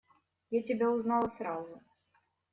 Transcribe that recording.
Я тебя узнала сразу.